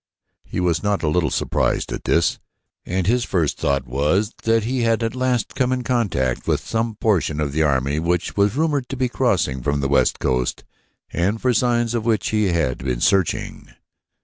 He was not a little surprised at this, and his first thought was that he had at last come in contact with some portion of the army which was rumored to be crossing from the west coast and for signs of which he had been searching.